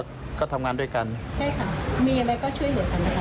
ก็ทำงานด้วยกันใช่ค่ะมีอะไรก็ช่วยเหลือกันนะคะ